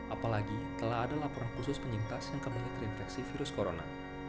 apalagi telah ada laporan khusus penyintas yang kembali terinfeksi virus corona